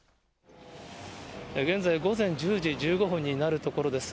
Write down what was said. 現在、午前１０時１５分になるところです。